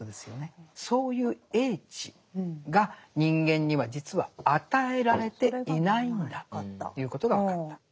そういう叡智が人間には実は与えられていないんだっていうことが分かった。